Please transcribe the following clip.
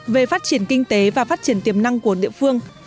về phát triển kinh tế và phát triển tiềm năng của địa phương